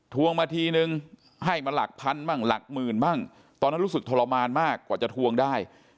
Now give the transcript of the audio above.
มาทีนึงให้มาหลักพันบ้างหลักหมื่นบ้างตอนนั้นรู้สึกทรมานมากกว่าจะทวงได้